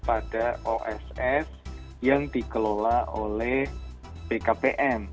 pada oss yang dikelola oleh bkpm